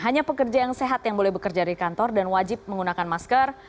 hanya pekerja yang sehat yang boleh bekerja dari kantor dan wajib menggunakan masker